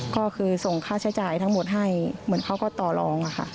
ก็คือส่งค่าใช้จ่ายทั้งหมดให้เหมือนเขาก็ต่อลองค่ะ